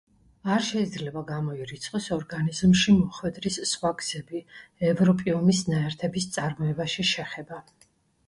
არ შეიძლება გამოირიცხოს ორგანიზმში მოხვედრის სხვა გზები, ევროპიუმის ნაერთების წარმოებაში შეხება.